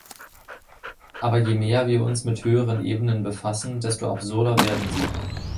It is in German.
Aber je mehr wir uns mit höheren Ebenen befassen, desto absurder werden sie.